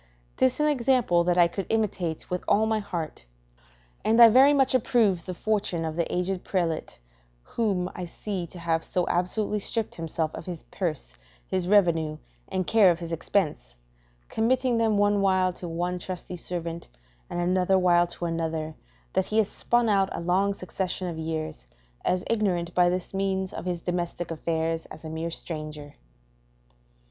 'Tis an example that I could imitate with all my heart; and I very much approve the fortune of the aged prelate whom I see to have so absolutely stripped himself of his purse, his revenue, and care of his expense, committing them one while to one trusty servant, and another while to another, that he has spun out a long succession of years, as ignorant, by this means, of his domestic affairs as a mere stranger.